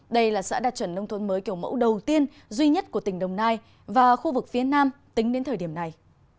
đây là xã đạt chuẩn nông thôn mới kiểu mẫu đầu tiên duy nhất của tỉnh đồng nai và khu vực phía nam tính đến thời điểm này